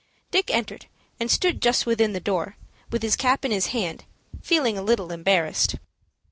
Dick entered, and stood just within the door, with his cap in his hand, feeling a little embarrassed.